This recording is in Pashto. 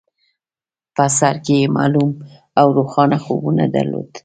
په سر کې يې معلوم او روښانه خوبونه درلودل.